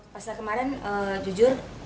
pasal kemarin jujur